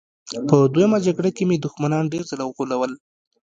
په دویمه جګړه کې مې دښمنان ډېر ځله وغولول